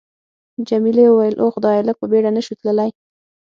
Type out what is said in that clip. جميلې وويل:: اوه خدایه، لږ په بېړه نه شو تللای؟